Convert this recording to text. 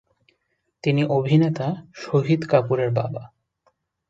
তিনি অভিনেতা শহীদ কাপুরের বাবা।